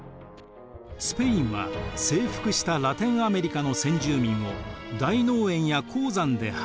スペインは征服したラテンアメリカの先住民を大農園や鉱山で働かせました。